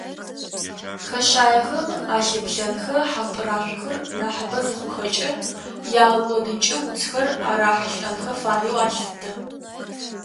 Хэшъаехэм алъыплъэнхэ, хьампӏырашъохэр нахьыбэ зыхъухэкӏэ ягъэкӏодынкӏэ уцхэр арахьылӏэнхэ фаеу алъытэ.